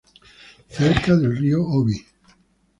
Cerca del río Obi.